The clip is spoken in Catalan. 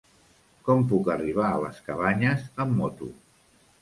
Com puc arribar a les Cabanyes amb moto?